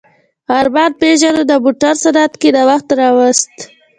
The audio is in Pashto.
ارمان پيژو د موټرو صنعت کې نوښت راوست.